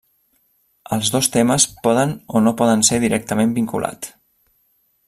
Els dos temes poden o no poden ser directament vinculat.